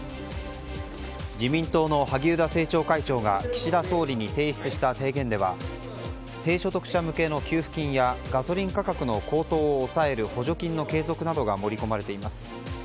自民党の萩生田政調会長が岸田総理に提出した提言では低所得者向けの給付金やガソリン価格の高騰を抑える補助金の継続などが盛り込まれています。